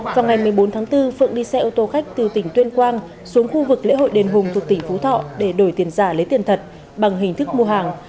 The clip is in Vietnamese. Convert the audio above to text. vào ngày một mươi bốn tháng bốn phượng đi xe ô tô khách từ tỉnh tuyên quang xuống khu vực lễ hội đền hùng thuộc tỉnh phú thọ để đổi tiền giả lấy tiền thật bằng hình thức mua hàng